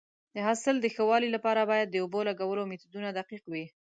د حاصل د ښه والي لپاره باید د اوبو لګولو میتودونه دقیق وي.